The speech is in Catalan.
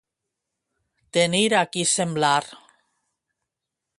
Tenir a qui semblar.